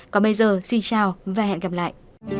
còn bây giờ xin chào và hẹn gặp lại